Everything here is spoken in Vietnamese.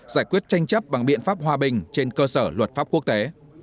giải quyết tranh chấp bằng biện pháp hòa bình trên cơ sở luật pháp quốc tế